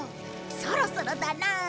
そろそろだなあ。